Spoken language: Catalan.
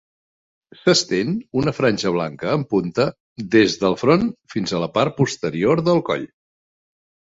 S'estén una franja blanca amb punta des del front fins a la part posterior del coll.